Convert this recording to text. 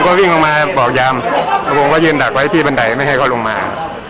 ก็วิ่งออกมาบอกยามแล้วผมก็ยืนดักไว้ที่บันไดไม่ให้เขาลงมา